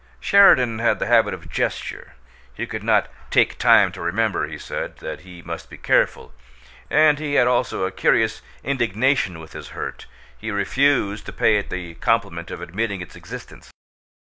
Sheridan had the habit of gesture; he could not "take time to remember," he said, that he must be careful, and he had also a curious indignation with his hurt; he refused to pay it the compliment of admitting its existence.